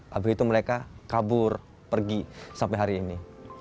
habis itu mereka kabur pergi sampai hari ini